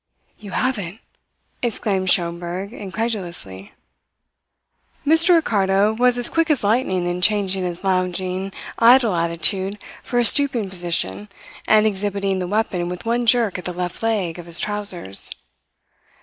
"You haven't!" exclaimed Schomberg incredulously. Mr Ricardo was as quick as lightning in changing his lounging, idle attitude for a stooping position, and exhibiting the weapon with one jerk at the left leg of his trousers.